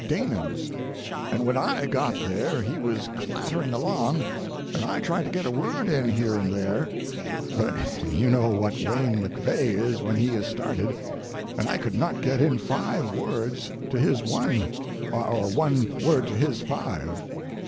Dana's, and when I got there he was clattering along, and I tried to get a word in here and there; but you know what Wayne MacVeagh is when he is started, and I could not get in five words to his one—or one word to his five.